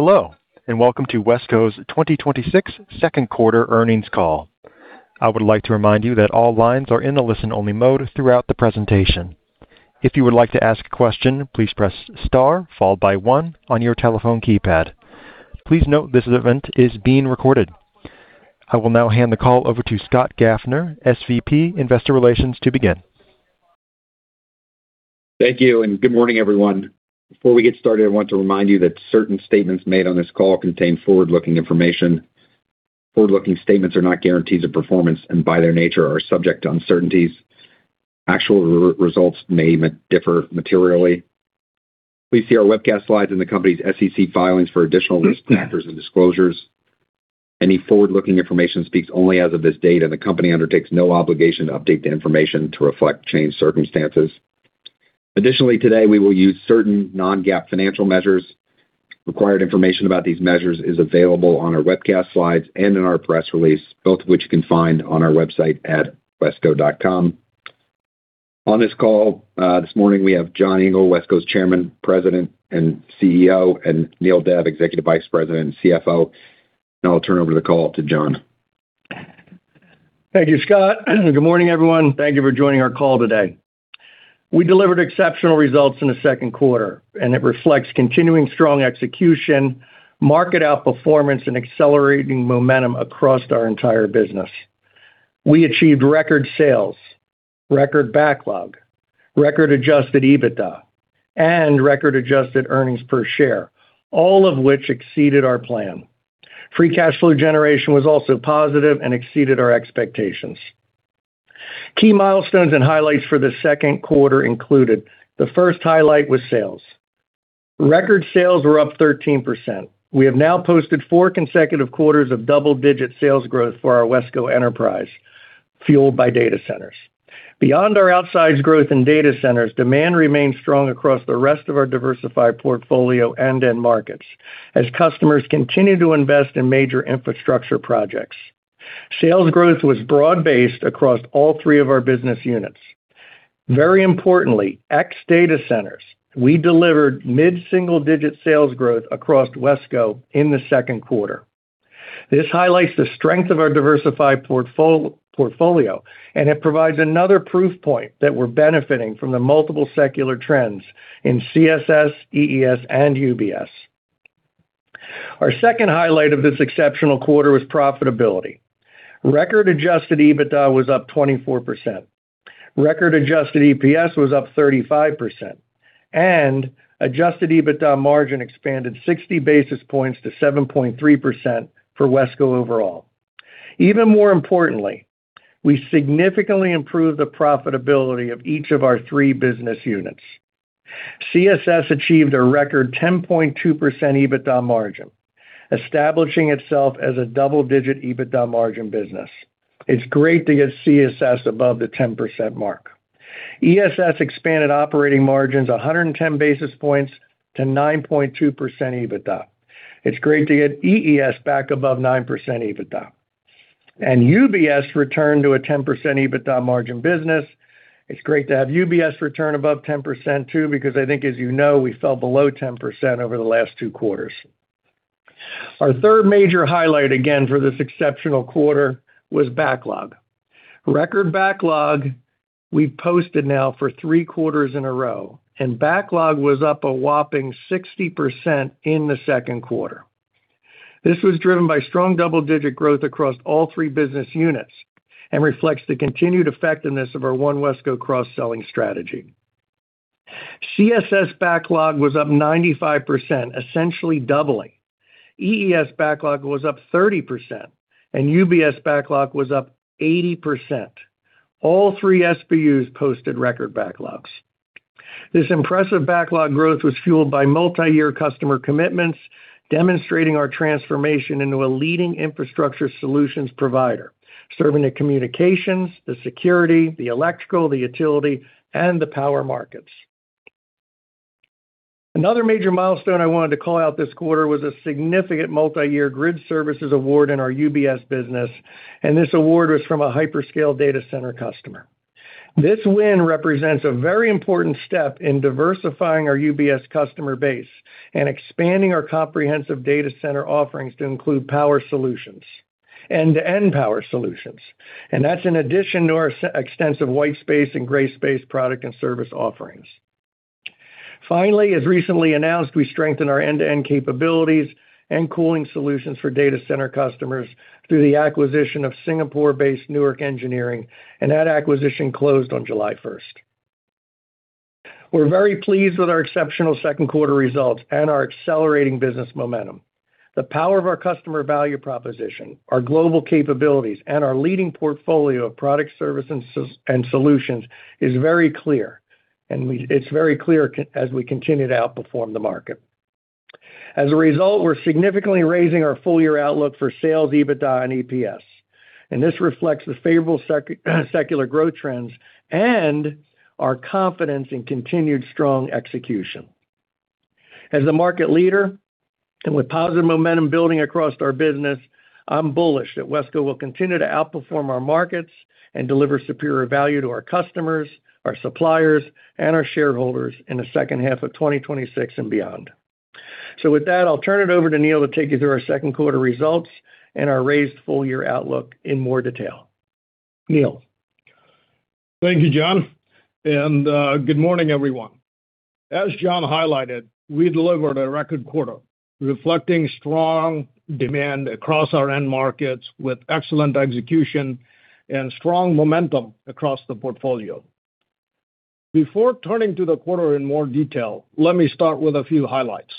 Hello, and welcome to WESCO's 2026 Second Quarter Earnings Call. I would like to remind you that all lines are in a listen-only mode throughout the presentation. If you would like to ask a question, please press star, followed by one on your telephone keypad. Please note this event is being recorded. I will now hand the call over to Scott Gaffner, SVP, Investor Relations, to begin. Thank you. Good morning, everyone. Before we get started, I want to remind you that certain statements made on this call contain forward-looking information. Forward-looking statements are not guarantees of performance and by their nature are subject to uncertainties. Actual results may differ materially. Please see our webcast slides and the company's SEC filings for additional risk factors and disclosures. Any forward-looking information speaks only as of this date, and the company undertakes no obligation to update the information to reflect changed circumstances. Additionally, today we will use certain non-GAAP financial measures. Required information about these measures is available on our webcast slides and in our press release, both of which you can find on our website at wesco.com. On this call this morning, we have John Engel, WESCO's Chairman, President, and CEO, and Indraneel Dev, Executive Vice President and CFO. Now I'll turn over the call to John. Thank you, Scott. Good morning, everyone. Thank you for joining our call today. We delivered exceptional results in the second quarter, and it reflects continuing strong execution, market outperformance, and accelerating momentum across our entire business. We achieved record sales, record backlog, record adjusted EBITDA, and record adjusted earnings per share, all of which exceeded our plan. Free cash flow generation was also positive and exceeded our expectations. Key milestones and highlights for the second quarter included: the first highlight was sales. Record sales were up 13%. We have now posted four consecutive quarters of double-digit sales growth for our WESCO enterprise, fueled by data centers. Beyond our outsized growth in data centers, demand remains strong across the rest of our diversified portfolio end-end markets as customers continue to invest in major infrastructure projects. Sales growth was broad-based across all three of our business units. Very importantly, ex data centers, we delivered mid-single-digit sales growth across WESCO in the second quarter. This highlights the strength of our diversified portfolio, and it provides another proof point that we're benefiting from the multiple secular trends in CSS, EES, and UBS. Our second highlight of this exceptional quarter was profitability. Record adjusted EBITDA was up 24%. Record adjusted EPS was up 35%, and adjusted EBITDA margin expanded 60 basis points to 7.3% for WESCO overall. Even more importantly, we significantly improved the profitability of each of our three business units. CSS achieved a record 10.2% EBITDA margin, establishing itself as a double-digit EBITDA margin business. It's great to get CSS above the 10% mark. EES expanded operating margins 110 basis points to 9.2% EBITDA. It's great to get EES back above 9% EBITDA. UBS returned to a 10% EBITDA margin business. It's great to have UBS return above 10% too, because I think, as you know, we fell below 10% over the last two quarters. Our third major highlight, again, for this exceptional quarter was backlog. Record backlog we've posted now for three quarters in a row, and backlog was up a whopping 60% in the second quarter. This was driven by strong double-digit growth across all three business units and reflects the continued effectiveness of our One WESCO cross-selling strategy. CSS backlog was up 95%, essentially doubling. EES backlog was up 30%, and UBS backlog was up 80%. All three SBUs posted record backlogs. This impressive backlog growth was fueled by multiyear customer commitments, demonstrating our transformation into a leading infrastructure solutions provider, serving the communications, the security, the electrical, the utility, and the power markets. Another major milestone I wanted to call out this quarter was a significant multiyear grid services award in our UBS business, this award was from a hyperscale data center customer. This win represents a very important step in diversifying our UBS customer base and expanding our comprehensive data center offerings to include power solutions, end-to-end power solutions. That's in addition to our extensive white space and gray space product and service offerings. Finally, as recently announced, we strengthened our end-to-end capabilities and cooling solutions for data center customers through the acquisition of Singapore-based Newark Engineering, and that acquisition closed on July 1st. We're very pleased with our exceptional second quarter results and our accelerating business momentum. The power of our customer value proposition, our global capabilities, and our leading portfolio of product service and solutions is very clear, it's very clear as we continue to outperform the market. As a result, we're significantly raising our full-year outlook for sales, EBITDA, and EPS, this reflects the favorable secular growth trends and our confidence in continued strong execution. As the market leader and with positive momentum building across our business, I'm bullish that WESCO will continue to outperform our markets and deliver superior value to our customers, our suppliers, and our shareholders in the second half of 2026 and beyond. With that, I'll turn it over to Neel to take you through our second quarter results and our raised full-year outlook in more detail. Neel. Thank you, John, good morning, everyone. As John highlighted, we delivered a record quarter, reflecting strong demand across our end markets with excellent execution and strong momentum across the portfolio. Before turning to the quarter in more detail, let me start with a few highlights.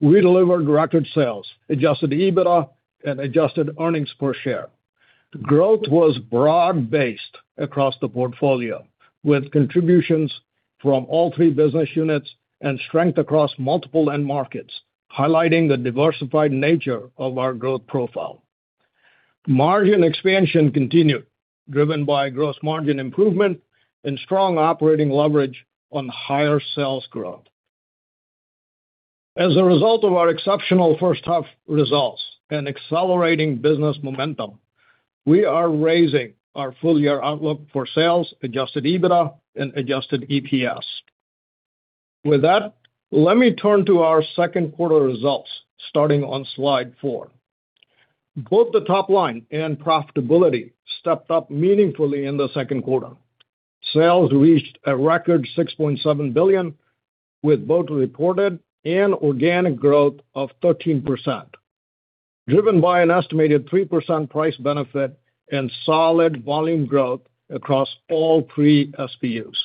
We delivered record sales, adjusted EBITDA, and adjusted earnings per share. Growth was broad-based across the portfolio, with contributions from all three business units and strength across multiple end markets, highlighting the diversified nature of our growth profile. Margin expansion continued, driven by gross margin improvement and strong operating leverage on higher sales growth. As a result of our exceptional first half results and accelerating business momentum, we are raising our full-year outlook for sales, adjusted EBITDA, and adjusted EPS. With that, let me turn to our second quarter results, starting on slide four. Both the top line and profitability stepped up meaningfully in the second quarter. Sales reached a record $6.7 billion, with both reported and organic growth of 13%, driven by an estimated 3% price benefit and solid volume growth across all three SBUs.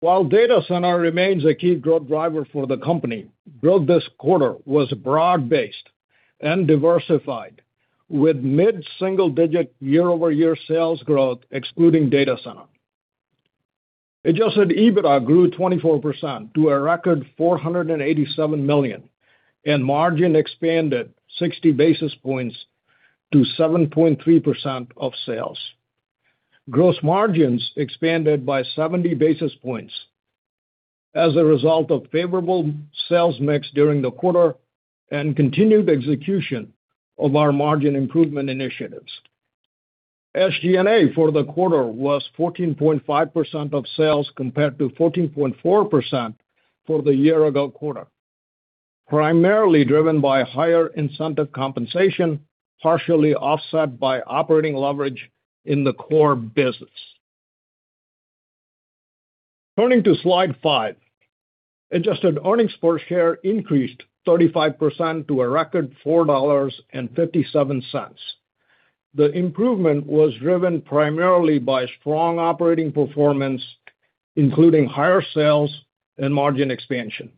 While data center remains a key growth driver for the company, growth this quarter was broad-based and diversified, with mid-single-digit year-over-year sales growth excluding data center. Adjusted EBITDA grew 24% to a record $487 million, and margin expanded 60 basis points to 7.3% of sales. Gross margins expanded by 70 basis points as a result of favorable sales mix during the quarter and continued execution of our margin improvement initiatives. SG&A for the quarter was 14.5% of sales, compared to 14.4% for the year-ago quarter, primarily driven by higher incentive compensation, partially offset by operating leverage in the core business. Turning to slide five. Adjusted earnings per share increased 35% to a record $4.57. The improvement was driven primarily by strong operating performance, including higher sales and margin expansion.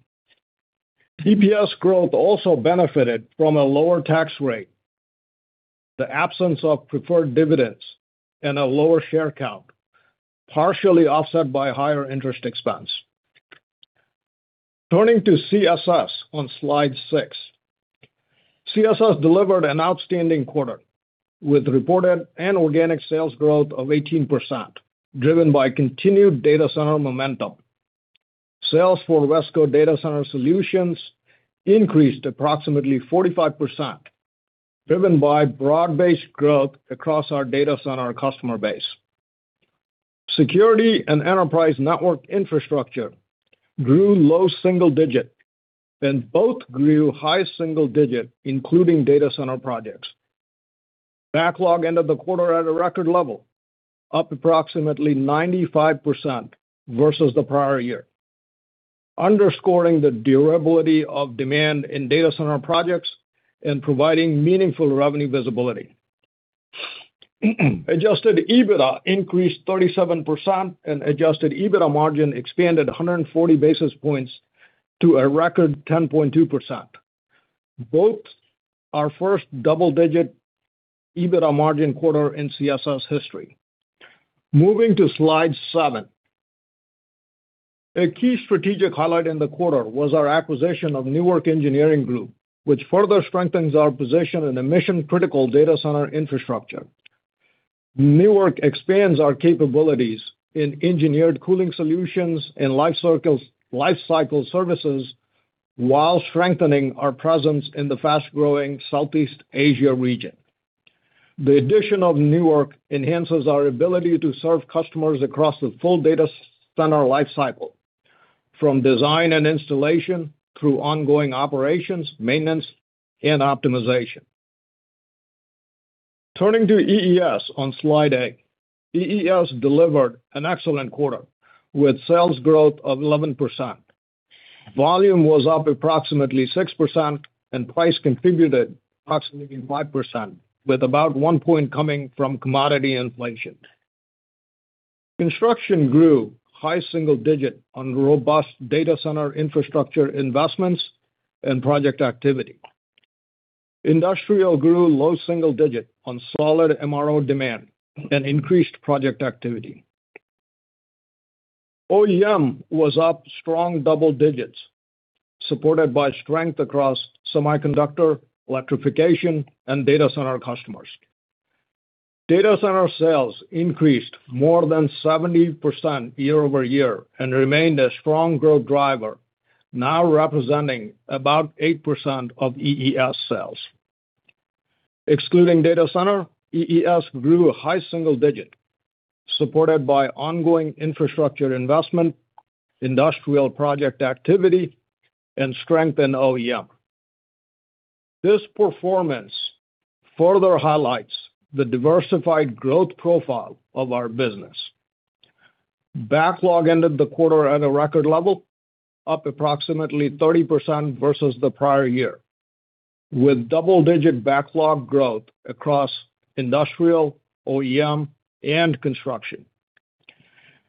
EPS growth also benefited from a lower tax rate, the absence of preferred dividends, and a lower share count, partially offset by higher interest expense. Turning to CSS on slide six. CSS delivered an outstanding quarter, with reported and organic sales growth of 18%, driven by continued data center momentum. Sales for WESCO Data Center Solutions increased approximately 45%, driven by broad-based growth across our data center customer base. Security and Enterprise Network Infrastructure grew low single-digit, and both grew high single-digit, including data center projects. Backlog ended the quarter at a record level, up approximately 95% versus the prior year, underscoring the durability of demand in data center projects and providing meaningful revenue visibility. Adjusted EBITDA increased 37%, and adjusted EBITDA margin expanded 140 basis points to a record 10.2%, both our first double-digit EBITDA margin quarter in CSS history. Moving to slide seven. A key strategic highlight in the quarter was our acquisition of Newark Engineering Group, which further strengthens our position in the mission-critical data center infrastructure. Newark expands our capabilities in engineered cooling solutions and lifecycle services while strengthening our presence in the fast-growing Southeast Asia region. The addition of Newark enhances our ability to serve customers across the full data center lifecycle, from design and installation through ongoing operations, maintenance, and optimization. Turning to EES on slide eight. EES delivered an excellent quarter, with sales growth of 11%. Volume was up approximately 6%, and price contributed approximately 5%, with about one point coming from commodity inflation. Construction grew high single-digit on robust data center infrastructure investments and project activity. Industrial grew low single-digit on solid MRO demand and increased project activity. OEM was up strong double-digits, supported by strength across semiconductor, electrification, and data center customers. Data center sales increased more than 70% year-over-year and remained a strong growth driver, now representing about 8% of EES sales. Excluding data center, EES grew a high single-digit, supported by ongoing infrastructure investment, industrial project activity, and strength in OEM. This performance further highlights the diversified growth profile of our business. Backlog ended the quarter at a record level, up approximately 30% versus the prior year, with double-digit backlog growth across industrial, OEM, and construction.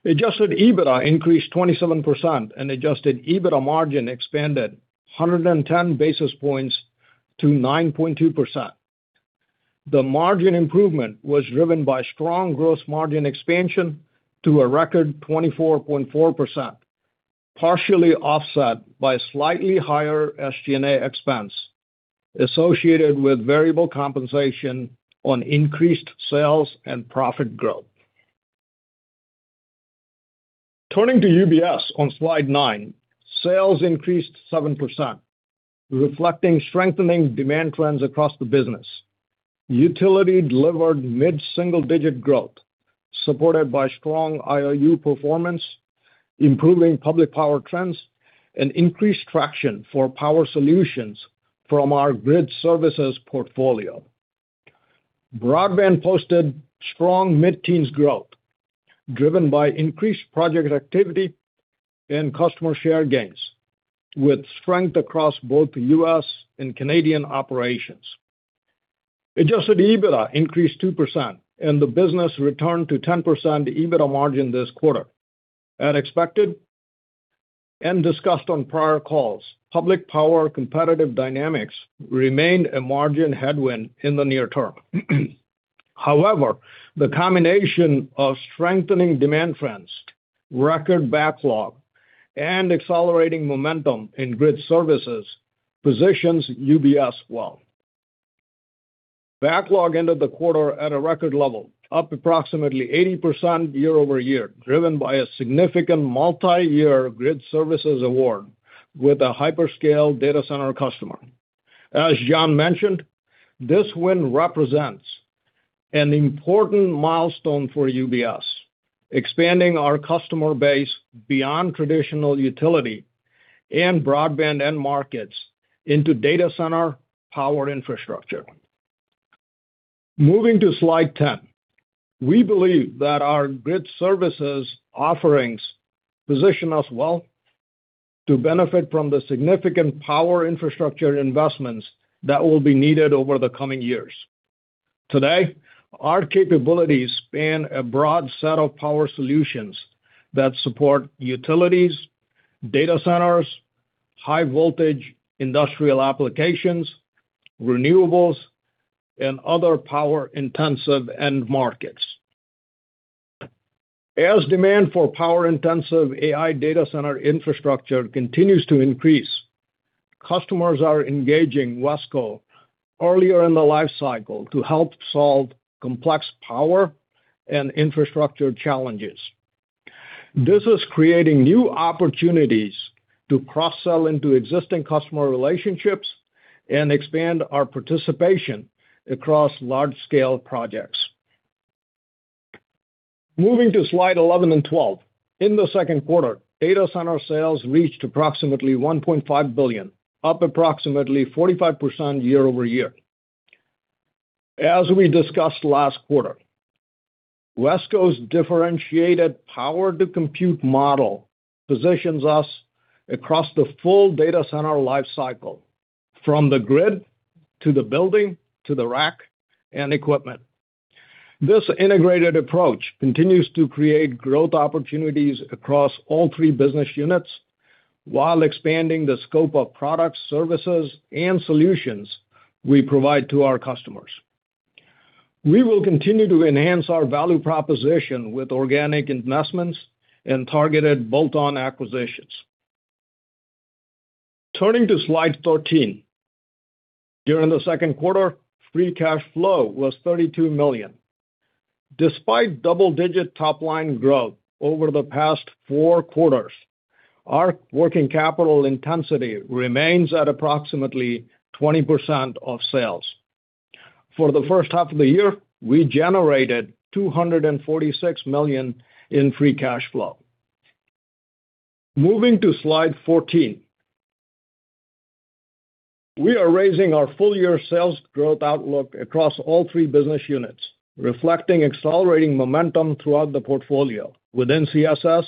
Adjusted EBITDA increased 27%, and adjusted EBITDA margin expanded 110 basis points to 9.2%. The margin improvement was driven by strong gross margin expansion to a record 24.4%, partially offset by slightly higher SG&A expense associated with variable compensation on increased sales and profit growth. Turning to UBS on slide nine, sales increased 7%, reflecting strengthening demand trends across the business. Utility delivered mid-single-digit growth, supported by strong IOU performance, improving public power trends, and increased traction for power solutions from our grid services portfolio. Broadband posted strong mid-teens growth, driven by increased project activity and customer share gains, with strength across both U.S. and Canadian operations. Adjusted EBITDA increased 2%, and the business returned to 10% EBITDA margin this quarter. As expected and discussed on prior calls, public power competitive dynamics remained a margin headwind in the near-term. The combination of strengthening demand trends, record backlog, and accelerating momentum in grid services positions UBS well. Backlog ended the quarter at a record level, up approximately 80% year-over-year, driven by a significant multi-year grid services award with a hyperscale data center customer. As John mentioned, this win represents an important milestone for UBS, expanding our customer base beyond traditional utility and broadband end markets into data center power infrastructure. Moving to slide 10. We believe that our grid services offerings position us well to benefit from the significant power infrastructure investments that will be needed over the coming years. Today, our capabilities span a broad set of power solutions that support utilities, data centers, high-voltage industrial applications, renewables, and other power-intensive end markets. As demand for power-intensive AI data center infrastructure continues to increase, customers are engaging WESCO earlier in the life cycle to help solve complex power and infrastructure challenges. This is creating new opportunities to cross-sell into existing customer relationships and expand our participation across large-scale projects. Moving to slide 11 and 12. In the second quarter, data center sales reached approximately $1.5 billion, up approximately 45% year-over-year. As we discussed last quarter, WESCO's differentiated power to compute model positions us across the full data center life cycle, from the grid to the building to the rack and equipment. This integrated approach continues to create growth opportunities across all three business units while expanding the scope of products, services, and solutions we provide to our customers. We will continue to enhance our value proposition with organic investments and targeted bolt-on acquisitions. Turning to slide 13. During the second quarter, free cash flow was $32 million. Despite double-digit top-line growth over the past four quarters, our working capital intensity remains at approximately 20% of sales. For the first half of the year, we generated $246 million in free cash flow. Moving to slide 14. We are raising our full-year sales growth outlook across all three business units, reflecting accelerating momentum throughout the portfolio. Within CSS,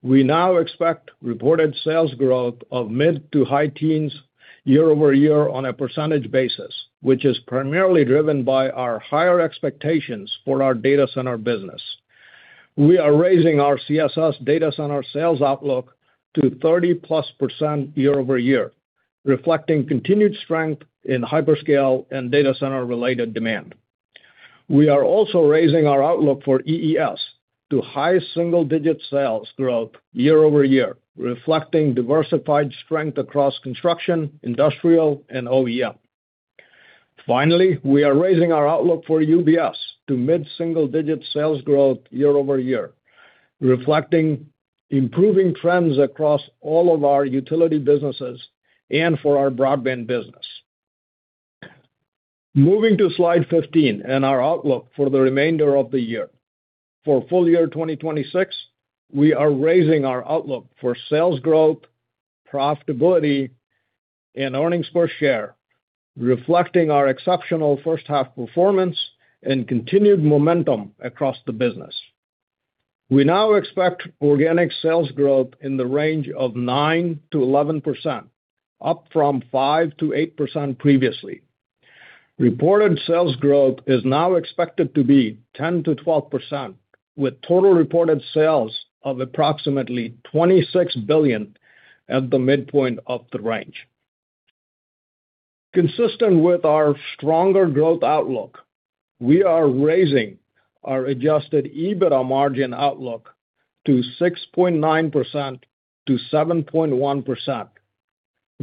we now expect reported sales growth of mid to high-teens year-over-year on a percentage basis, which is primarily driven by our higher expectations for our data center business. We are raising our CSS data center sales outlook to 30+% year-over-year, reflecting continued strength in hyperscale and data center-related demand. We are also raising our outlook for EES to high single-digit sales growth year-over-year, reflecting diversified strength across construction, industrial, and OEM. We are raising our outlook for UBS to mid-single-digit sales growth year-over-year, reflecting Improving trends across all of our utility businesses and for our broadband business. Moving to slide 15 and our outlook for the remainder of the year. For full year 2026, we are raising our outlook for sales growth, profitability, and earnings per share, reflecting our exceptional first half performance and continued momentum across the business. We now expect organic sales growth in the range of 9%-11%, up from 5%-8% previously. Reported sales growth is now expected to be 10%-12%, with total reported sales of approximately $26 billion at the midpoint of the range. Consistent with our stronger growth outlook, we are raising our adjusted EBITDA margin outlook to 6.9%-7.1%,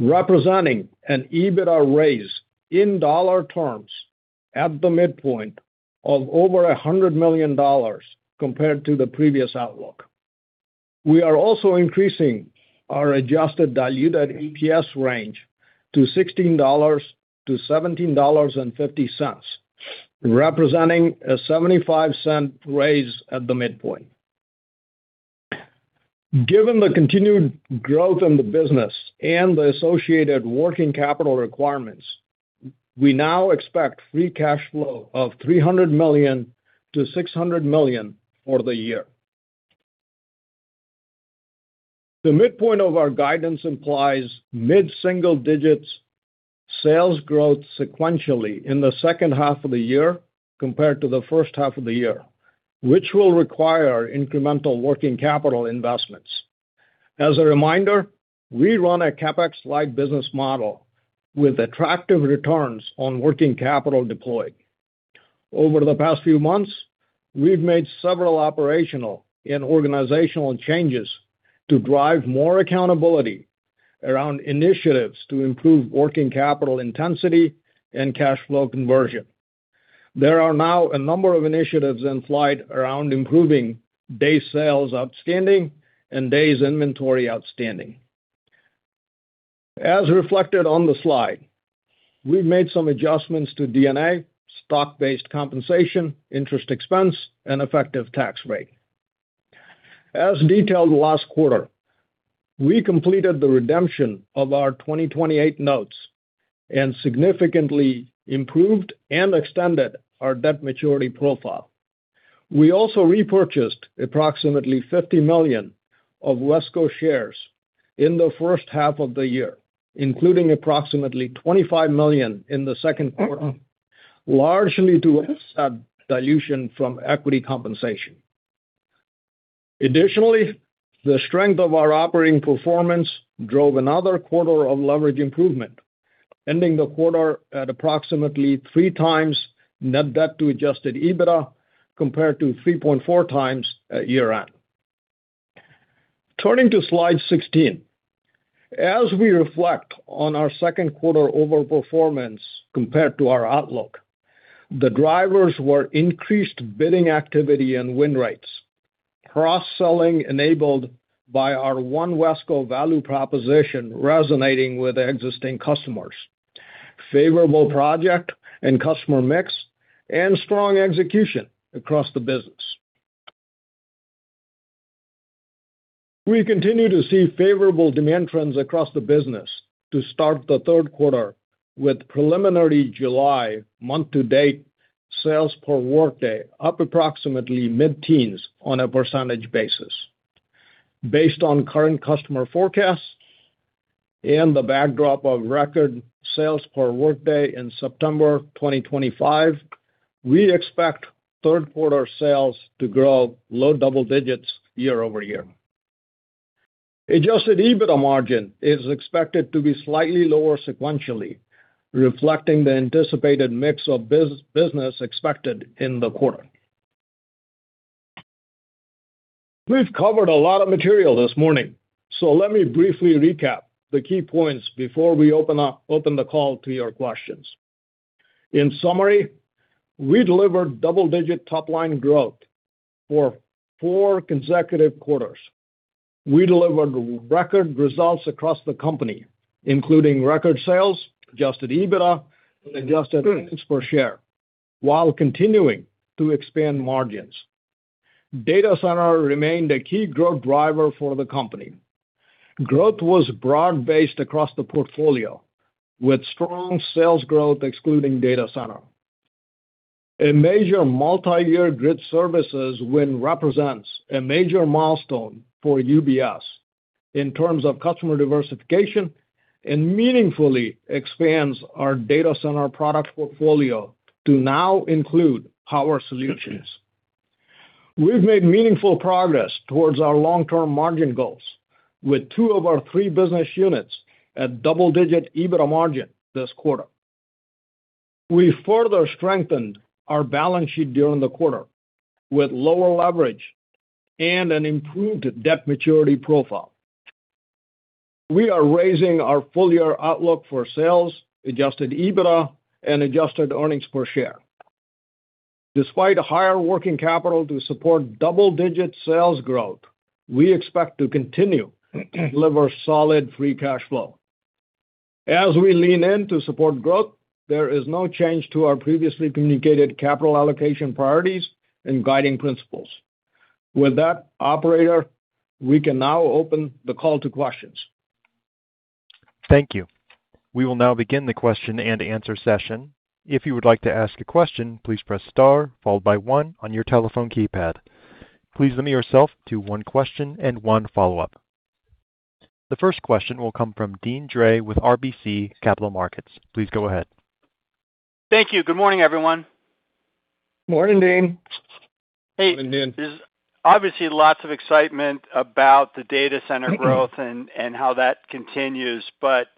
representing an EBITDA raise in dollar terms at the midpoint of over $100 million compared to the previous outlook. We are also increasing our adjusted diluted EPS range to $16-$17.50, representing a $0.75 raise at the midpoint. Given the continued growth in the business and the associated working capital requirements, we now expect free cash flow of $300 million-$600 million for the year. The midpoint of our guidance implies mid-single-digits sales growth sequentially in the second half of the year compared to the first half of the year, which will require incremental working capital investments. As a reminder, we run a CapEx-light business model with attractive returns on working capital deployed. Over the past few months, we've made several operational and organizational changes to drive more accountability around initiatives to improve working capital intensity and cash flow conversion. There are now a number of initiatives in flight around improving days sales outstanding and days inventory outstanding. As reflected on the slide, we've made some adjustments to D&A, stock-based compensation, interest expense, and effective tax rate. As detailed last quarter, we completed the redemption of our 2028 notes and significantly improved and extended our debt maturity profile. We also repurchased approximately $50 million of WESCO shares in the first half of the year, including approximately $25 million in the second quarter, largely to offset dilution from equity compensation. Additionally, the strength of our operating performance drove another quarter of leverage improvement, ending the quarter at approximately 3x net debt to adjusted EBITDA compared to 3.4x at year-end. Turning to slide 16. As we reflect on our second quarter overperformance compared to our outlook, the drivers were increased bidding activity and win rates, cross-selling enabled by our One WESCO value proposition resonating with existing customers, favorable project and customer mix, and strong execution across the business. We continue to see favorable demand trends across the business to start the third quarter with preliminary July month-to-date sales per workday up approximately mid-teens on a percentage basis. Based on current customer forecasts and the backdrop of record sales per workday in September 2025, we expect third quarter sales to grow low double-digits year-over-year. Adjusted EBITDA margin is expected to be slightly lower sequentially, reflecting the anticipated mix of business expected in the quarter. We've covered a lot of material this morning, so let me briefly recap the key points before we open the call to your questions. In summary, we delivered double-digit top-line growth for four consecutive quarters. We delivered record results across the company, including record sales, adjusted EBITDA, and adjusted earnings per share, while continuing to expand margins. Data center remained a key growth driver for the company. Growth was broad-based across the portfolio, with strong sales growth excluding data center. A major multi-year grid services win represents a major milestone for UBS in terms of customer diversification and meaningfully expands our data center product portfolio to now include power solutions. We've made meaningful progress towards our long-term margin goals with two of our three business units at double-digit EBITDA margin this quarter. We further strengthened our balance sheet during the quarter with lower leverage and an improved debt maturity profile. We are raising our full-year outlook for sales, adjusted EBITDA, and adjusted earnings per share. Despite higher working capital to support double-digit sales growth, we expect to continue to deliver solid free cash flow. As we lean in to support growth, there is no change to our previously communicated capital allocation priorities and guiding principles. With that, operator, we can now open the call to questions. Thank you. We will now begin the question-and-answer session. If you would like to ask a question, please press star followed by one on your telephone keypad. Please limit yourself to one question and one follow-up. The first question will come from Deane Dray with RBC Capital Markets. Please go ahead. Thank you. Good morning, everyone. Morning, Deane. Hey, Deane. There's obviously lots of excitement about the data center growth and how that continues, but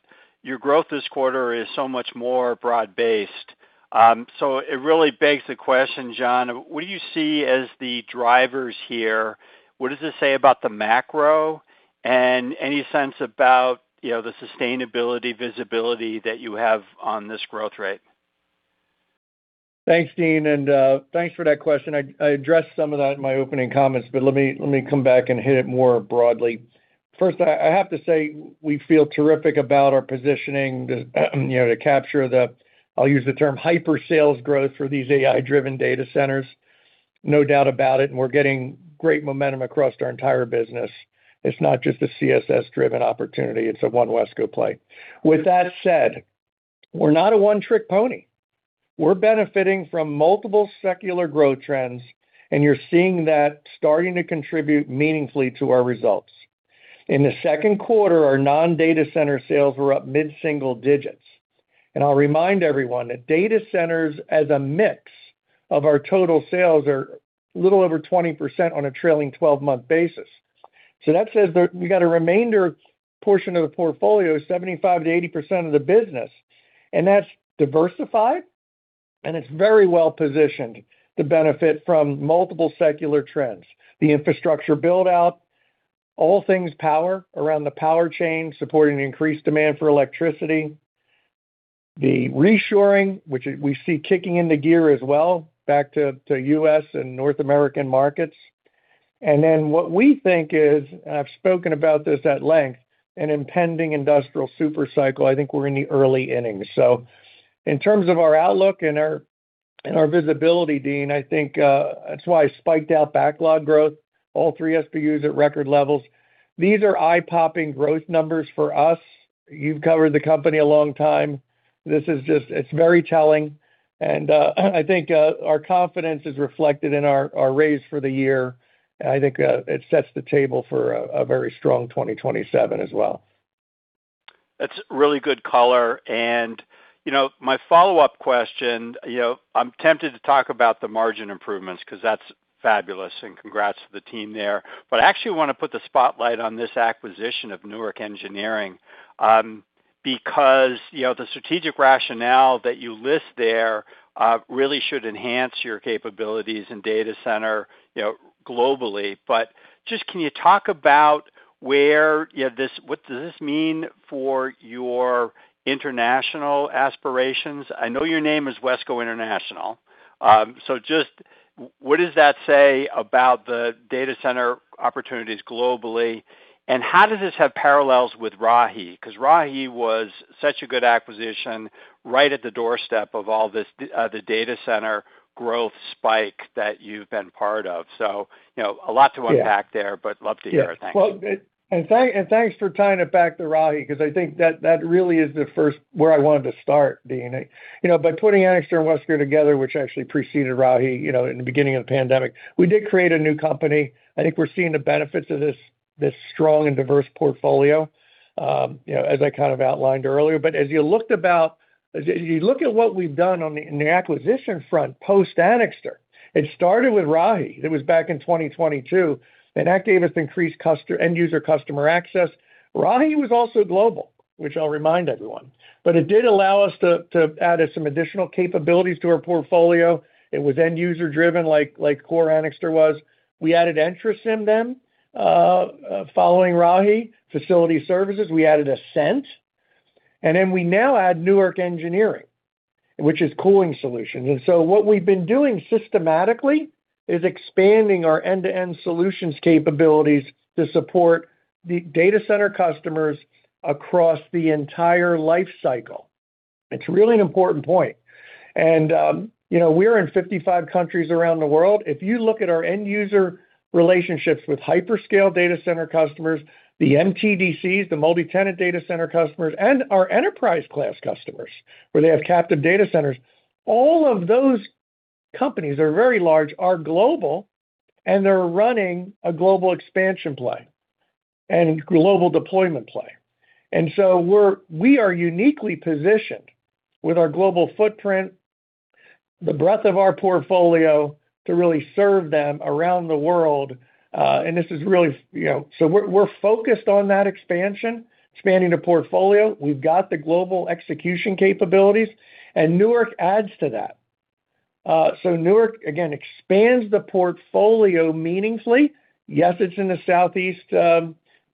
your growth this quarter is so much more broad-based. It really begs the question, John, what do you see as the drivers here? What does this say about the macro, and any sense about the sustainability visibility that you have on this growth rate? Thanks, Deane, and thanks for that question. I addressed some of that in my opening comments, but let me come back and hit it more broadly. First, I have to say we feel terrific about our positioning to capture the, I'll use the term hyper sales growth for these AI-driven data centers. No doubt about it, and we're getting great momentum across our entire business. It's not just a CSS-driven opportunity. It's a One WESCO play. With that said, we're not a one-trick pony. We're benefiting from multiple secular growth trends, and you're seeing that starting to contribute meaningfully to our results. In the second quarter, our non-data center sales were up mid-single digits. I'll remind everyone that data centers as a mix of our total sales are a little over 20% on a trailing 12-month basis. That says that we got a remainder portion of the portfolio, 75%-80% of the business, and that's diversified and it's very well positioned to benefit from multiple secular trends. The infrastructure build-out, all things power around the power chain supporting increased demand for electricity, the reshoring, which we see kicking into gear as well back to U.S. and North American markets. What we think is, and I've spoken about this at length, an impending industrial super cycle. I think we're in the early innings. In terms of our outlook and our visibility, Deane, I think that's why I spiked out backlog growth, all three SBUs at record levels. These are eye-popping growth numbers for us. You've covered the company a long time. This is just very telling, and I think our confidence is reflected in our raise for the year. I think it sets the table for a very strong 2027 as well. That's really good color. My follow-up question, I'm tempted to talk about the margin improvements because that's fabulous, and congrats to the team there. I actually want to put the spotlight on this acquisition of Newark Engineering. Because the strategic rationale that you list there really should enhance your capabilities in data center globally. Just can you talk about what does this mean for your international aspirations? I know your name is WESCO International. Just what does that say about the data center opportunities globally, and how does this have parallels with Rahi? Because Rahi was such a good acquisition right at the doorstep of all this, the data center growth spike that you've been part of. A lot to unpack there. Yeah Love to hear. Thanks. Well, thanks for tying it back to Rahi, because I think that really is the first where I wanted to start, Deane. By putting Anixter and WESCO together, which actually preceded Rahi, in the beginning of the pandemic, we did create a new company. I think we're seeing the benefits of this strong and diverse portfolio, as I kind of outlined earlier. As you look at what we've done on the acquisition front post Anixter, it started with Rahi. It was back in 2022, and that gave us increased end user customer access. Rahi was also global, which I'll remind everyone. It did allow us to add some additional capabilities to our portfolio. It was end user-driven like core Anixter was. We added entroCIM then, following Rahi, facility services. We added Ascent, and then we now add Newark Engineering, which is cooling solutions. What we've been doing systematically is expanding our end-to-end solutions capabilities to support the data center customers across the entire life cycle. It's really an important point. We're in 55 countries around the world. If you look at our end user relationships with hyperscale data center customers, the MTDCs, the multi-tenant data center customers, and our enterprise class customers, where they have captive data centers, all of those companies are very large, are global, and they're running a global expansion play and global deployment play. We are uniquely positioned with our global footprint, the breadth of our portfolio to really serve them around the world. We're focused on that expansion, expanding the portfolio. We've got the global execution capabilities, and Newark adds to that. Newark, again, expands the portfolio meaningfully. Yes, it's in the southeast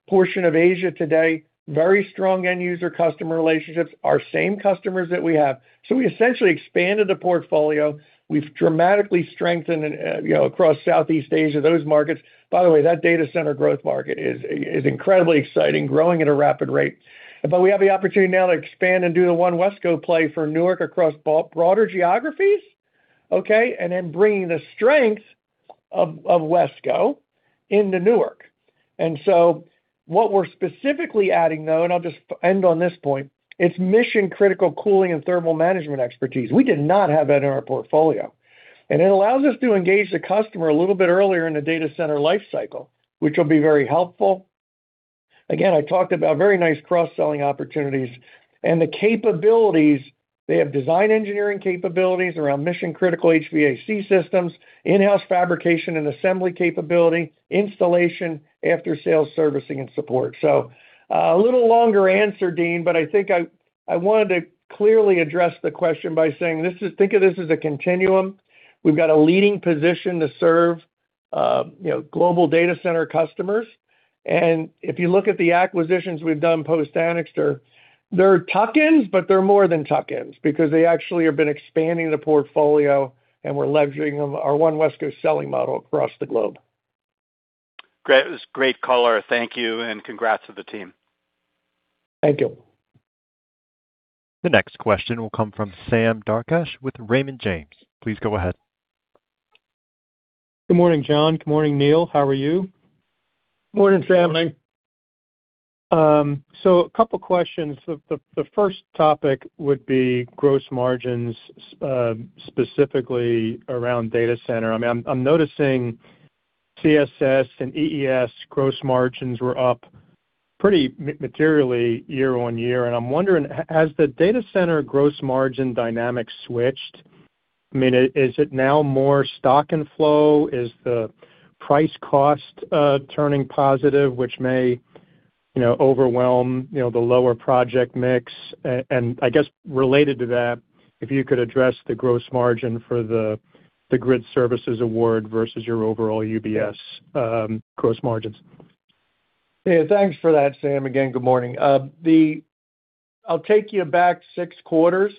portion of Asia today, very strong end user customer relationships, our same customers that we have. We essentially expanded the portfolio. We've dramatically strengthened across Southeast Asia, those markets. By the way, that data center growth market is incredibly exciting, growing at a rapid rate. We have the opportunity now to expand and do the One WESCO play for Newark across broader geographies, okay? Bringing the strength of WESCO into Newark. What we're specifically adding, though, and I'll just end on this point, it's mission-critical cooling and thermal management expertise. We did not have that in our portfolio. It allows us to engage the customer a little bit earlier in the data center life cycle, which will be very helpful. Again, I talked about very nice cross-selling opportunities, and the capabilities, they have design engineering capabilities around mission-critical HVAC systems, in-house fabrication and assembly capability, installation, after-sales servicing and support. A little longer answer, Deane, but I think I wanted to clearly address the question by saying, think of this as a continuum. We've got a leading position to serve global data center customers. If you look at the acquisitions we've done post-Anixter, they're tuck-ins, but they're more than tuck-ins because they actually have been expanding the portfolio and we're leveraging them, our One WESCO selling model across the globe. Great. It was a great call. Thank you, and congrats to the team. Thank you. The next question will come from Sam Darkatsh with Raymond James. Please go ahead. Good morning, John. Good morning, Neel. How are you? Morning, Sam Darkatsh. Morning. A couple questions. The first topic would be gross margins, specifically around data center. I am noticing CSS and EES gross margins were up pretty materially year-over-year. I am wondering, has the data center gross margin dynamic switched? Is it now more stock and flow? Is the price cost turning positive, which may overwhelm the lower project mix? I guess related to that, if you could address the gross margin for the grid services award versus your overall UBS gross margins. Thanks for that, Sam Darkatsh. Again, good morning. I will take you back six quarters,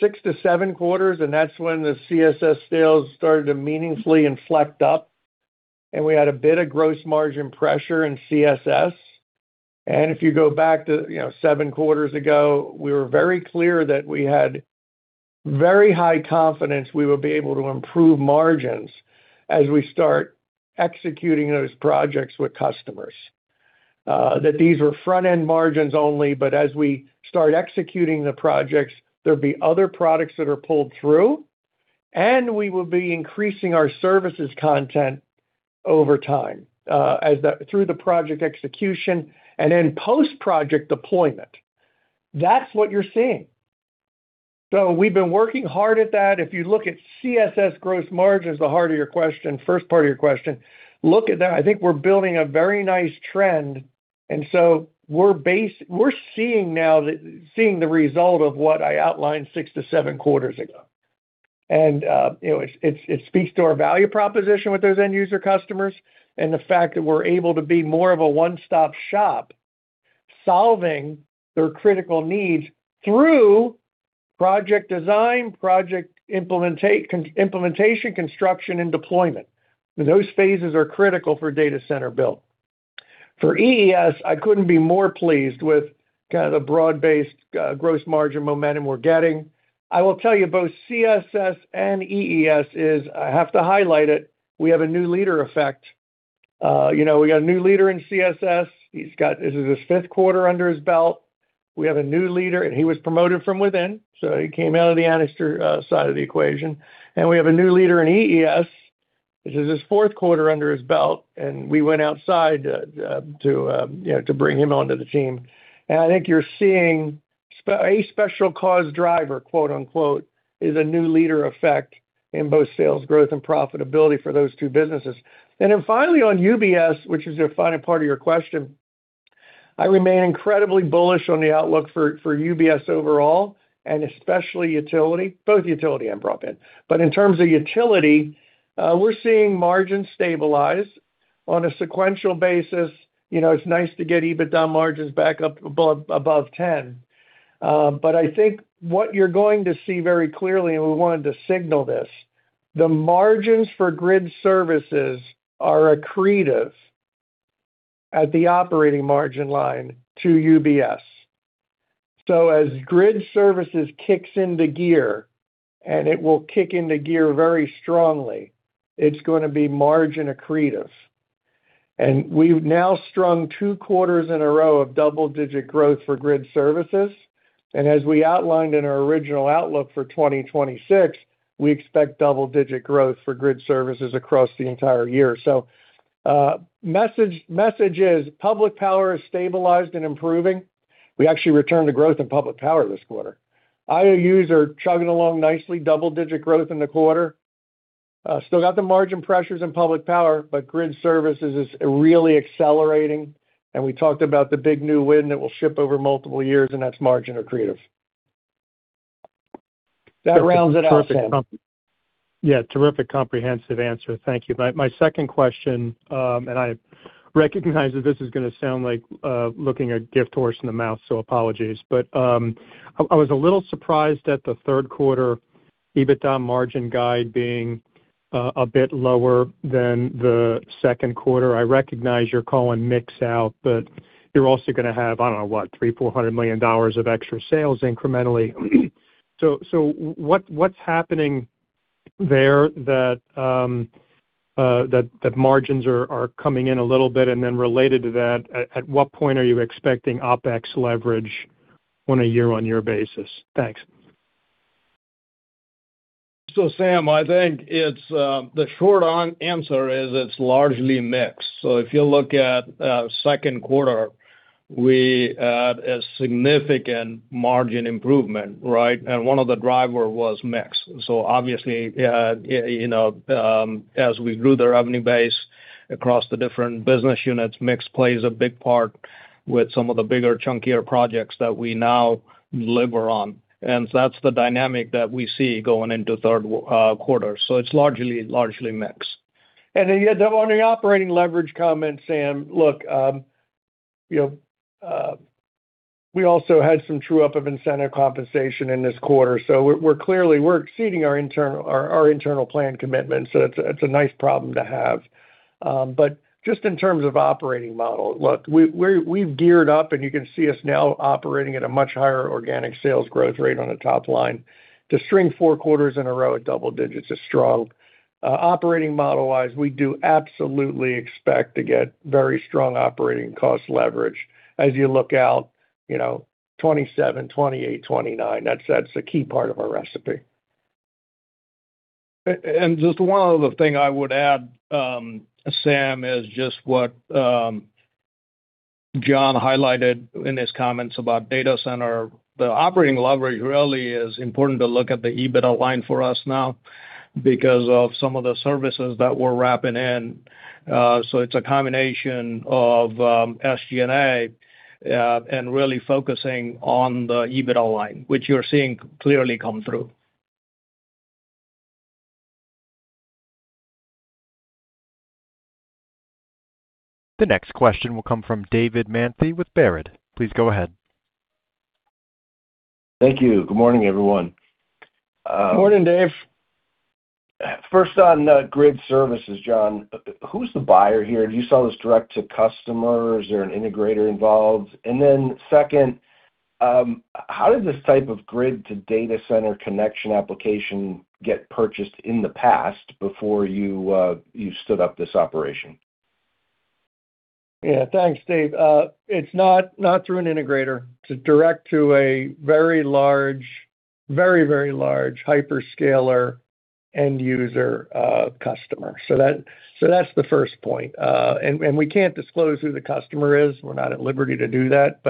six to seven quarters, that is when the CSS sales started to meaningfully inflect up, we had a bit of gross margin pressure in CSS. If you go back to seven quarters ago, we were very clear that we had very high confidence we would be able to improve margins as we start executing those projects with customers. These were front-end margins only. As we start executing the projects, there would be other products that are pulled through, we will be increasing our services content over time through the project execution, then post-project deployment. That is what you are seeing. We have been working hard at that. If you look at CSS gross margins, the heart of your question, first part of your question, look at that. I think we are building a very nice trend, we are seeing the result of what I outlined six to seven quarters ago. It speaks to our value proposition with those end user customers the fact that we are able to be more of a one-stop shop, solving their critical needs through project design, project implementation, construction, deployment. Those phases are critical for data center build. For EES, I could not be more pleased with kind of the broad-based gross margin momentum we are getting. I will tell you both CSS and EES is, I have to highlight it, we have a new leader effect. We got a new leader in CSS. This is his fifth quarter under his belt. We have a new leader, he was promoted from within, he came out of the Anixter side of the equation. We have a new leader in EES. This is his fourth quarter under his belt, we went outside to bring him onto the team. I think you're seeing a "special cause driver" is a new leader effect in both sales growth and profitability for those two businesses. Finally on UBS, which is the final part of your question, I remain incredibly bullish on the outlook for UBS overall, and especially utility, both utility and profit. In terms of utility, we're seeing margins stabilize on a sequential basis. It's nice to get EBITDA margins back up above 10. I think what you're going to see very clearly, and we wanted to signal this, the margins for grid services are accretive at the operating margin line to UBS. As grid services kicks into gear, and it will kick into gear very strongly, it's going to be margin accretive. We've now strung two quarters in a row of double-digit growth for grid services. As we outlined in our original outlook for 2026, we expect double-digit growth for grid services across the entire year. Message is, public power is stabilized and improving. We actually returned to growth in public power this quarter. IOUs are chugging along nicely, double-digit growth in the quarter. Still got the margin pressures in public power, but grid services is really accelerating, and we talked about the big new wind that will ship over multiple years, and that's margin accretive. That rounds it out, Sam. Yeah, terrific comprehensive answer. Thank you. My second question, I recognize that this is going to sound like looking a gift horse in the mouth, apologies. I was a little surprised at the third quarter EBITDA margin guide being a bit lower than the second quarter. I recognize you're calling mix out, you're also going to have, I don't know, what, $300 million, $400 million of extra sales incrementally. What's happening there that margins are coming in a little bit? Related to that, at what point are you expecting OpEx leverage on a year-on-year basis? Thanks. Sam, I think the short answer is it's largely mix. If you look at second quarter, we had a significant margin improvement, right? One of the driver was mix. Obviously, as we grew the revenue base across the different business units, mix plays a big part with some of the bigger chunkier projects that we now deliver on. That's the dynamic that we see going into third quarter. It's largely mix. Yeah, on the operating leverage comment, Sam Darkatsh, look, we also had some true-up of incentive compensation in this quarter. We're clearly, we're exceeding our internal plan commitments. It's a nice problem to have. Just in terms of operating model, look, we've geared up, and you can see us now operating at a much higher organic sales growth rate on the top line. To string four quarters in a row at double-digits is strong. Operating model-wise, we do absolutely expect to get very strong operating cost leverage as you look out, 2027, 2028, 2029. That's a key part of our recipe. Just one other thing I would add, Sam, is just what John highlighted in his comments about data center. The operating leverage really is important to look at the EBITDA line for us now because of some of the services that we're wrapping in. It's a combination of SG&A and really focusing on the EBITDA line, which you're seeing clearly come through. The next question will come from David Manthey with Baird. Please go ahead. Thank you. Good morning, everyone. Morning, Dave. First on grid services, John. Who's the buyer here? Do you sell this direct to customer? Is there an integrator involved? Second, how did this type of grid-to-data center connection application get purchased in the past before you stood up this operation? Thanks, Dave. It's not through an integrator. It's direct to a very large, very, very large hyperscaler end user customer. That's the first point. We can't disclose who the customer is. We're not at liberty to do that.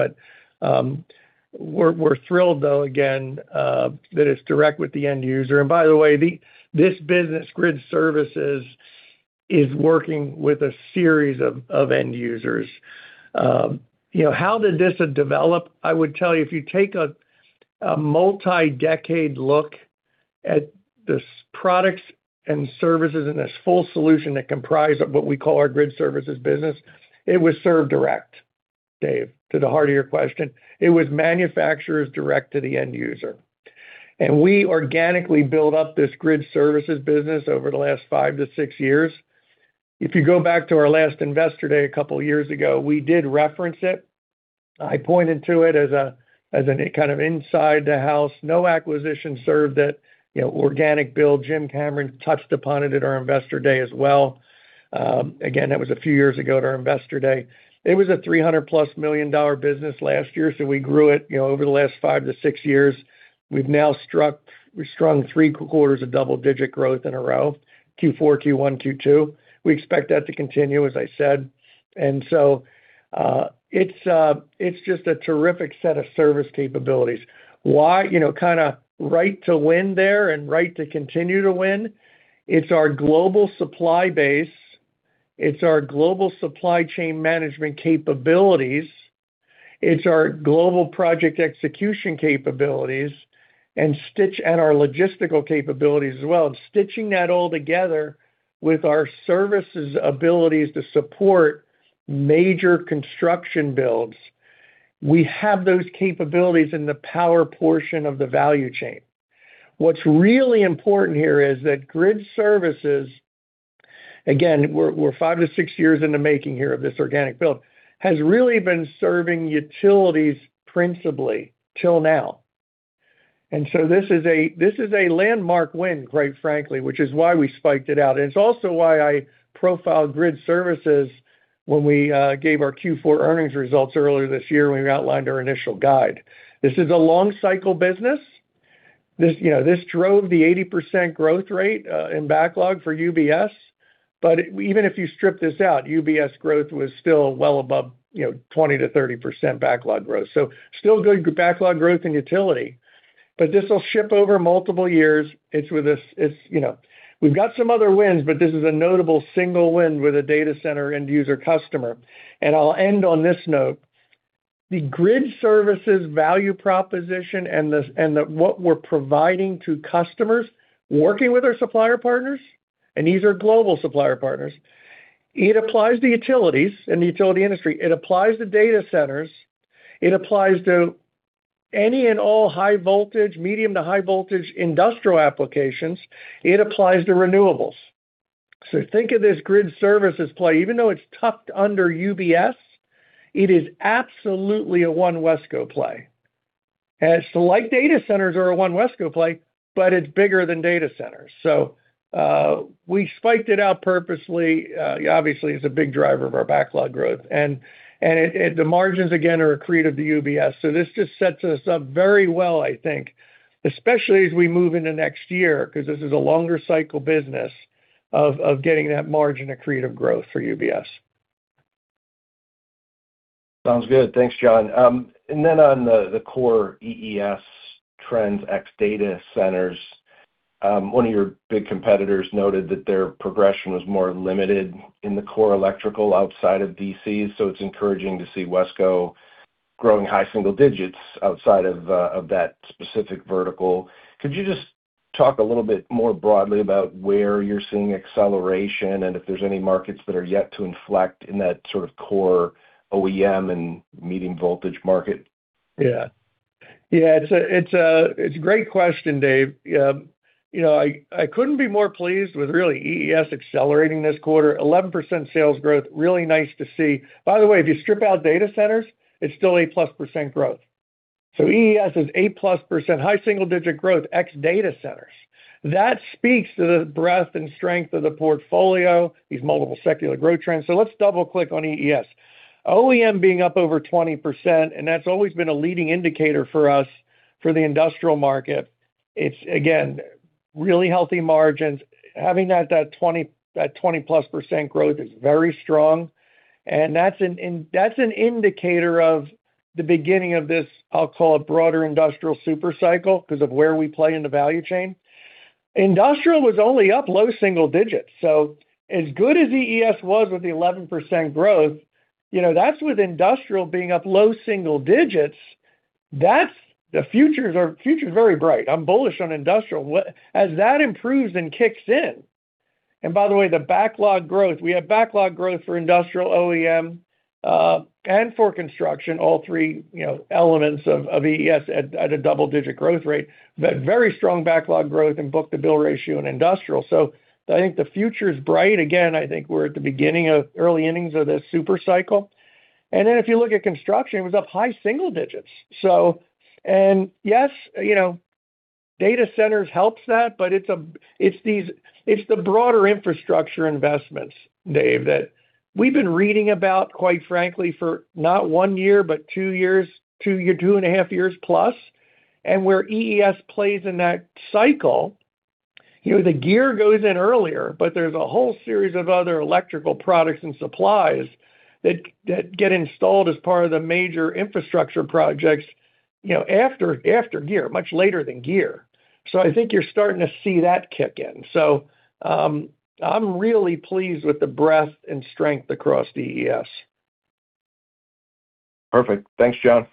We're thrilled, though, again, that it's direct with the end user. By the way, this business, grid services, is working with a series of end users. How did this develop? I would tell you, if you take a multi-decade look at this products and services and this full solution that comprise of what we call our grid services business, it was served direct, Dave, to the heart of your question. It was manufacturers direct to the end user. We organically built up this grid services business over the last five to six years. If you go back to our last Investor Day a couple of years ago, we did reference it. I pointed to it as a kind of inside the house. No acquisition served it, organic build. James Cameron touched upon it at our Investor Day as well. Again, that was a few years ago at our Investor Day. It was a $300+ million business last year, we grew it over the last five to six years. We've now strung three quarters of double-digit growth in a row, Q4, Q1, Q2. We expect that to continue, as I said. It's just a terrific set of service capabilities. Why? Kind of right to win there and right to continue to win. It's our global supply base. It's our global supply chain management capabilities. It's our global project execution capabilities and our logistical capabilities as well. Stitching that all together with our services abilities to support major construction builds. We have those capabilities in the power portion of the value chain. What's really important here is that grid services, again, we're five to six years in the making here of this organic build, has really been serving utilities principally till now. This is a landmark win, quite frankly, which is why we spiked it out. It's also why I profiled grid services when we gave our Q4 earnings results earlier this year, when we outlined our initial guide. This is a long-cycle business. This drove the 80% growth rate in backlog for UBS. Even if you strip this out, UBS growth was still well above 20%-30% backlog growth. Still good backlog growth in utility, but this will ship over multiple years. We've got some other wins, but this is a notable single win with a data center end user customer. I'll end on this note. The grid services value proposition and what we're providing to customers, working with our supplier partners, and these are global supplier partners, it applies to utilities and the utility industry. It applies to data centers. It applies to any and all high voltage, medium to high voltage industrial applications. It applies to renewables. Think of this grid service as play, even though it's tucked under UBS, it is absolutely a One WESCO play. As to like data centers are a One WESCO play, but it's bigger than data centers. We spiked it out purposely. Obviously, it's a big driver of our backlog growth, and the margins, again, are accretive to UBS. This just sets us up very well, I think, especially as we move into next year, because this is a longer cycle business of getting that margin accretive growth for UBS. Sounds good. Thanks, John. On the core EES trends, ex data centers, one of your big competitors noted that their progression was more limited in the core electrical outside of DCs, it's encouraging to see WESCO growing high single-digits outside of that specific vertical. Could you just talk a little bit more broadly about where you're seeing acceleration and if there's any markets that are yet to inflect in that sort of core OEM and medium voltage market? Yeah. It's a great question, David. I couldn't be more pleased with really EES accelerating this quarter. 11% sales growth, really nice to see. By the way, if you strip out data centers, it's still 8%+ growth. EES is 8%+ high single-digit growth ex data centers. That speaks to the breadth and strength of the portfolio, these multiple secular growth trends. Let's double-click on EES. OEM being up over 20%, that's always been a leading indicator for us for the industrial market. It's, again, really healthy margins. Having that 20%+ growth is very strong, and that's an indicator of the beginning of this, I'll call it broader industrial super cycle because of where we play in the value chain. Industrial was only up low single-digits. As good as EES was with the 11% growth, that's with industrial being up low single-digits. The future's very bright. I'm bullish on industrial. As that improves and kicks in-- by the way, the backlog growth, we have backlog growth for industrial OEM, and for construction, all three elements of EES at a double-digit growth rate, but very strong backlog growth and book-to-bill ratio in industrial. I think the future is bright. Again, I think we're at the beginning of early innings of this super cycle. If you look at construction, it was up high single-digits. Yes, data centers helps that, but it's the broader infrastructure investments, David, that we've been reading about, quite frankly, for not one year, but two years, 2.5 years+, and where EES plays in that cycle. The gear goes in earlier, but there's a whole series of other electrical products and supplies that get installed as part of the major infrastructure projects, after gear, much later than gear. I think you're starting to see that kick in. I'm really pleased with the breadth and strength across EES. Perfect. Thanks, John.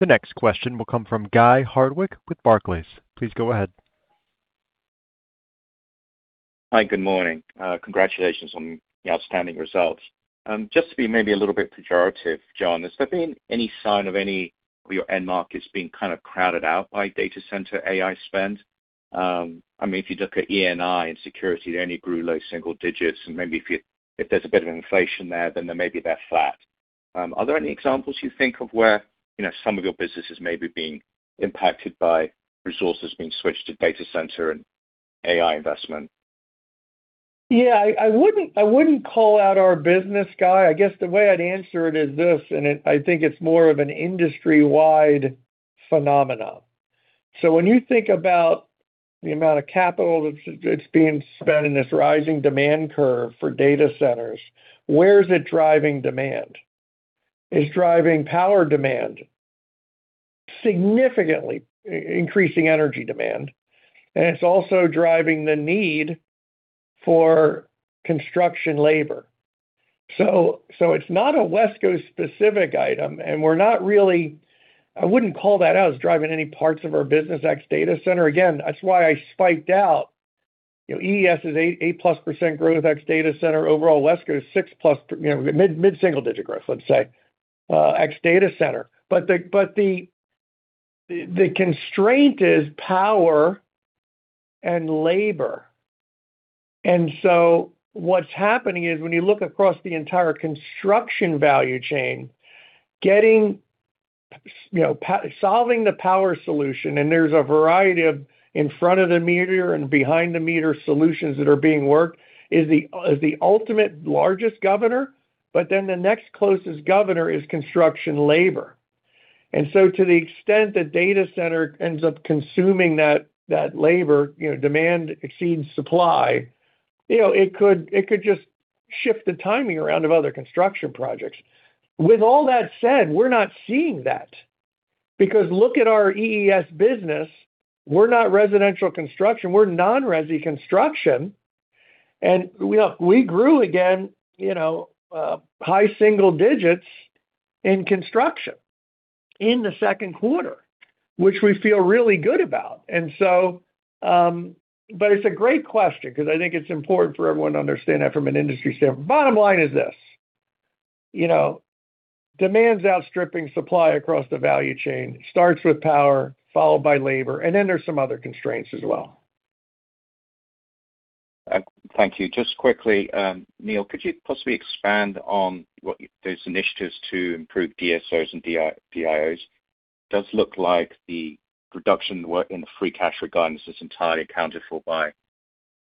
The next question will come from Guy Hardwick with Barclays. Please go ahead. Hi, good morning. Congratulations on the outstanding results. Just to be maybe a little bit pejorative, John, has there been any sign of any of your end markets being kind of crowded out by data center AI spend? If you look at ENI and security, they only grew low single-digits, and maybe if there's a bit of inflation there, then they may be a bit flat. Are there any examples you think of where some of your businesses may be being impacted by resources being switched to data center and AI investment? Yeah, I wouldn't call out our business, Guy. I guess the way I'd answer it is this. I think it's more of an industry-wide phenomenon. When you think about the amount of capital that's being spent in this rising demand curve for data centers, where is it driving demand? It's driving power demand, significantly increasing energy demand. It's also driving the need for construction labor. It's not a WESCO-specific item. I wouldn't call that out as driving any parts of our business ex data center. Again, that's why I spiked out. EES is 8%+ growth ex data center. Overall, WESCO is 6+, mid-single-digit growth, let's say, ex data center. The constraint is power and labor. What's happening is when you look across the entire construction value chain, solving the power solution, there's a variety of in front-of-the-meter and behind-the-meter solutions that are being worked is the ultimate largest governor. The next closest governor is construction labor. To the extent the data center ends up consuming that labor, demand exceeds supply, it could just shift the timing around of other construction projects. With all that said, we're not seeing that because look at our EES business, we're not residential construction, we're non-resi construction. We grew again, high single digits in construction in the second quarter, which we feel really good about. It's a great question because I think it's important for everyone to understand that from an industry standpoint. Bottom line is this, demand's outstripping supply across the value chain. Starts with power, followed by labor, then there's some other constraints as well. Thank you. Just quickly, Neel, could you possibly expand on what those initiatives to improve DSOs and DIOs? It does look like the reduction in the free cash regardless is entirely accounted for by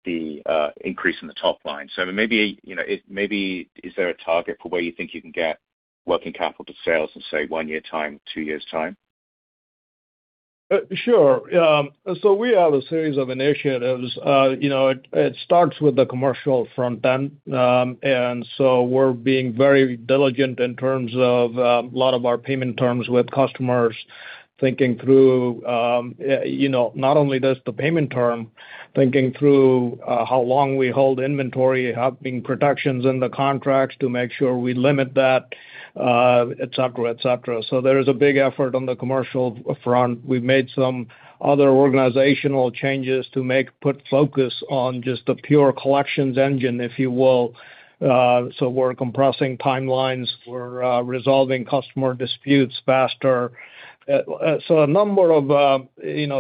the increase in the top line. Maybe is there a target for where you think you can get working capital to sales in, say, one year time, two years' time? Sure. We have a series of initiatives. It starts with the commercial front end. We're being very diligent in terms of a lot of our payment terms with customers, thinking through not only just the payment term, thinking through how long we hold inventory, how building provisions in the contracts to make sure we limit that, et cetera. There is a big effort on the commercial front. We've made some other organizational changes to put focus on just the pure collections engine, if you will. We're compressing timelines. We're resolving customer disputes faster. A number of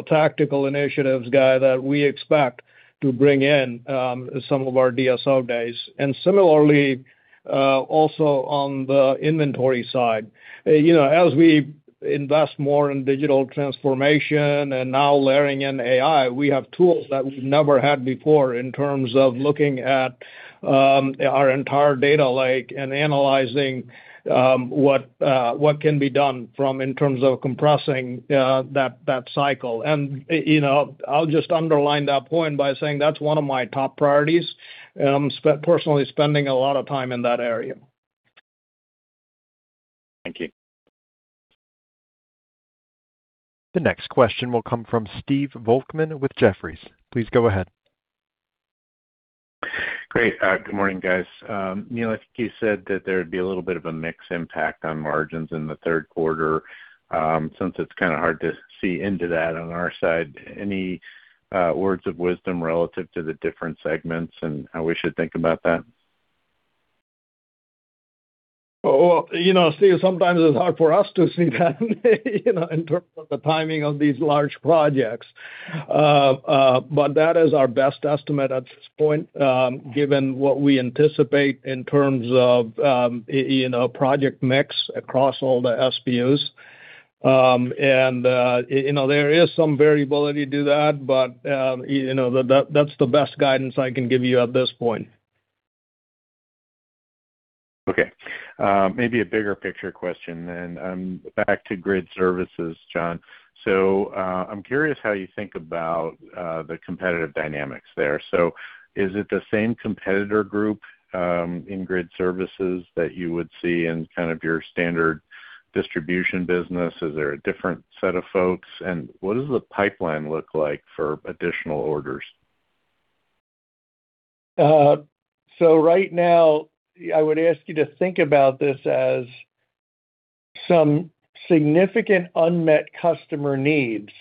tactical initiatives, Guy, that we expect to bring in some of our DSO days. Similarly, also on the inventory side. As we invest more in digital transformation now layering in AI, we have tools that we've never had before in terms of looking at our entire data lake and analyzing what can be done from in terms of compressing that cycle. I'll just underline that point by saying that's one of my top priorities. I'm personally spending a lot of time in that area. Thank you. The next question will come from Stephen Volkmann with Jefferies. Please go ahead. Great. Good morning, guys. Neel, I think you said that there would be a little bit of a mix impact on margins in the third quarter. Since it's kind of hard to see into that on our side, any words of wisdom relative to the different segments and how we should think about that? Well, Steve, sometimes it's hard for us to see that in terms of the timing of these large projects. That is our best estimate at this point, given what we anticipate in terms of project mix across all the SBUs. There is some variability to that, but that's the best guidance I can give you at this point. Okay. Maybe a bigger picture question then. Back to grid services, John. I'm curious how you think about the competitive dynamics there. Is it the same competitor group in grid services that you would see in kind of your standard distribution business? Is there a different set of folks? What does the pipeline look like for additional orders? Right now, I would ask you to think about this as some significant unmet customer needs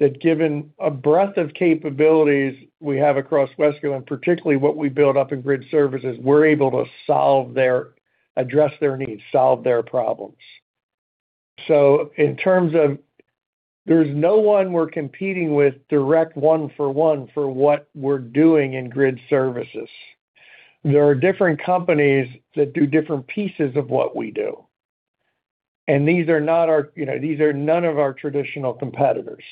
that given a breadth of capabilities we have across WESCO, and particularly what we build up in grid services, we're able to address their needs, solve their problems. In terms of there's no one we're competing with direct one for one for what we're doing in grid services. There are different companies that do different pieces of what we do. These are none of our traditional competitors.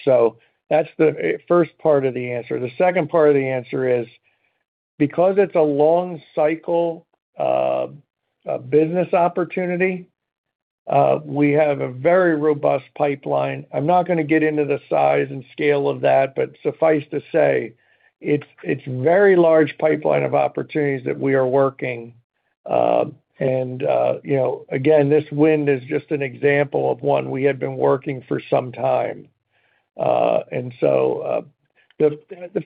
That's the first part of the answer. The second part of the answer is, because it's a long cycle of business opportunity, we have a very robust pipeline. I'm not going to get into the size and scale of that, but suffice to say, it's very large pipeline of opportunities that we are working. Again, this wind is just an example of one we had been working for some time. The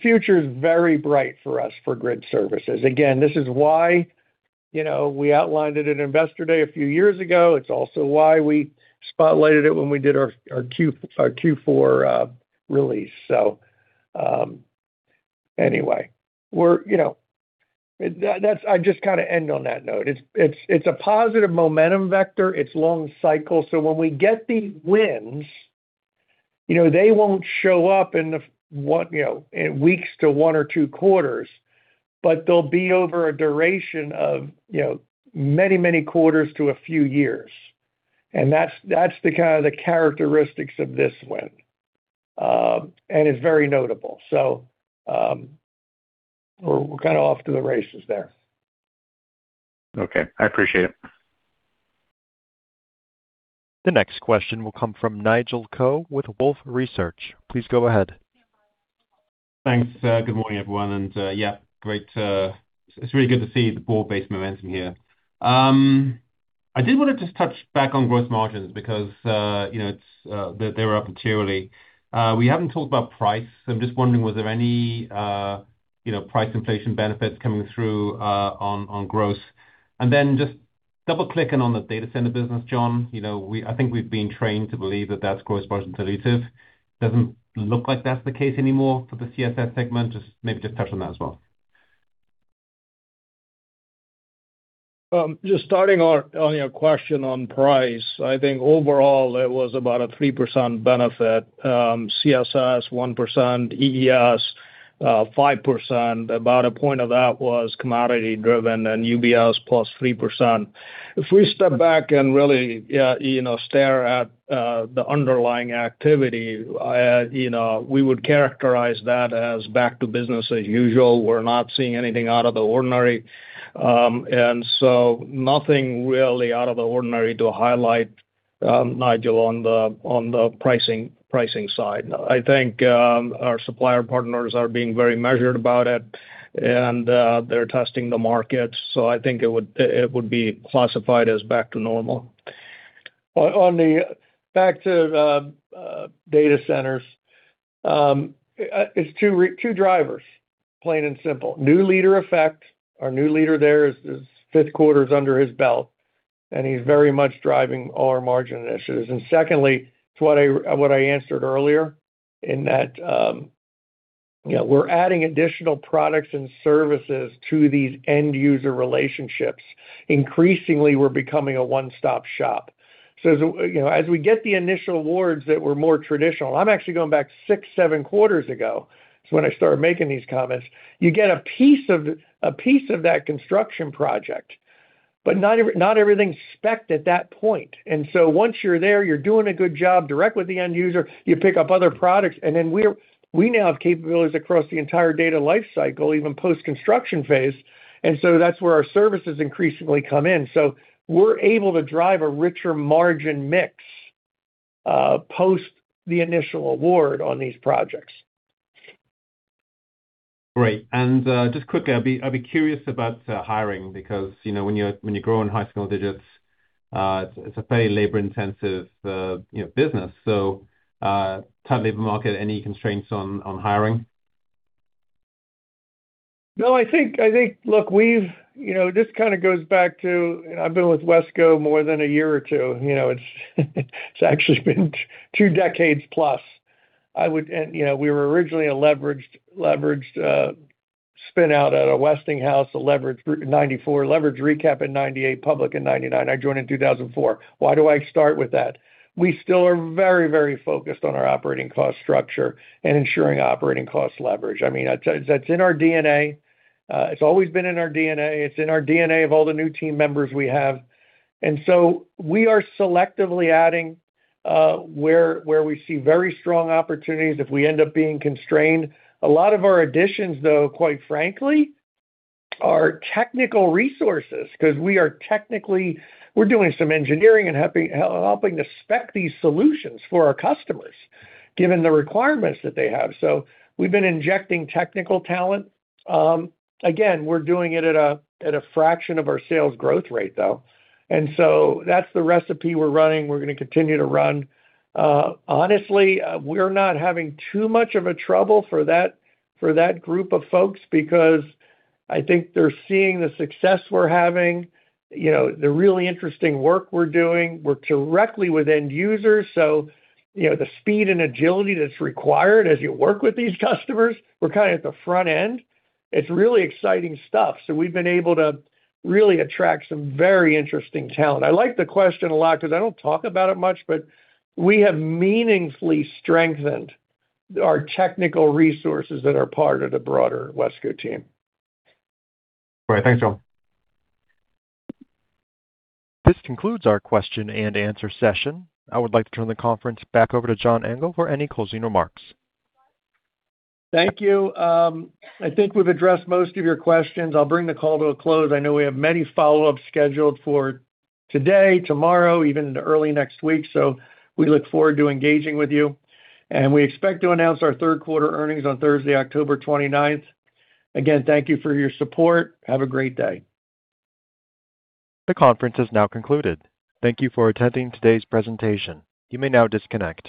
future is very bright for us for grid services. Again, this is why we outlined it at Investor Day a few years ago. It's also why we spotlighted it when we did our Q4 release. Anyway. I just kind of end on that note. It's a positive momentum vector. It's long cycle. When we get these wins, they won't show up in weeks to one or two quarters, but they'll be over a duration of many quarters to a few years. That's the kind of the characteristics of this win. It's very notable. We're kind of off to the races there. Okay, I appreciate it. The next question will come from Nigel Coe with Wolfe Research. Please go ahead. Thanks. Good morning, everyone. Yeah, it's really good to see the broad-based momentum here. I did want to just touch back on gross margins because they were up materially. We haven't talked about price, so I'm just wondering, was there any price inflation benefits coming through on growth? Then just double-clicking on the data center business, John, I think we've been trained to believe that that's gross margin dilutive. Doesn't look like that's the case anymore for the CSS segment. Just maybe just touch on that as well. Just starting on your question on price, I think overall it was about a 3% benefit. CSS, 1%, EES, 5%, about a point of that was commodity-driven. UBS is +3%. If we step back and really stare at the underlying activity, we would characterize that as back to business as usual. We're not seeing anything out of the ordinary. Nothing really out of the ordinary to highlight, Nigel, on the pricing side. I think our supplier partners are being very measured about it and they're testing the markets, I think it would be classified as back to normal. On the back to data centers, it's two drivers, plain and simple. New leader effect. Our new leader there, it's his fifth quarters under his belt, he's very much driving our margin initiatives. Secondly, to what I answered earlier, in that we're adding additional products and services to these end user relationships. Increasingly, we're becoming a one-stop shop. As we get the initial awards that were more traditional, I'm actually going back six, seven quarters ago, is when I started making these comments. You get a piece of that construction project, but not everything's specced at that point. Once you're there, you're doing a good job direct with the end user, you pick up other products, then we now have capabilities across the entire data life cycle, even post-construction phase. That's where our services increasingly come in. we're able to drive a richer margin mix post the initial award on these projects. Great. Just quickly, I'd be curious about hiring because when you're growing high single-digits, it's a fairly labor-intensive business. Tight labor market, any constraints on hiring? No, I think this kind of goes back to, I've been with WESCO more than a year or two. It's actually been 2 decades+. We were originally a leveraged spin-out out of Westinghouse, leverage group in 1994, leverage recap in 1998, public in 1999. I joined in 2004. Why do I start with that? We still are very focused on our operating cost structure and ensuring operating cost leverage. That's in our DNA. It's always been in our D&A. It's in our DNA of all the new team members we have. We are selectively adding where we see very strong opportunities if we end up being constrained. A lot of our additions, though, quite frankly, are technical resources because we're doing some engineering and helping to spec these solutions for our customers given the requirements that they have. We've been injecting technical talent. Again, we're doing it at a fraction of our sales growth rate, though. That's the recipe we're running, we're going to continue to run. Honestly, we're not having too much of a trouble for that group of folks because I think they're seeing the success we're having, the really interesting work we're doing. We're directly with end users, so the speed and agility that's required as you work with these customers, we're kind of at the front end. It's really exciting stuff. We've been able to really attract some very interesting talent. I like the question a lot because I don't talk about it much, but we have meaningfully strengthened our technical resources that are part of the broader WESCO team. Great. Thanks, all. This concludes our question and answer session. I would like to turn the conference back over to John Engel for any closing remarks. Thank you. I think we've addressed most of your questions. I'll bring the call to a close. I know we have many follow-ups scheduled for today, tomorrow, even into early next week, so we look forward to engaging with you. We expect to announce our third quarter earnings on Thursday, October 29th. Again, thank you for your support. Have a great day. The conference has now concluded. Thank you for attending today's presentation. You may now disconnect.